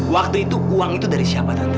waktu itu uang itu dari siapa tante